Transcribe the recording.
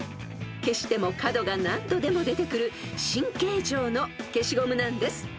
［消しても角が何度でも出てくる新形状の消しゴムなんです］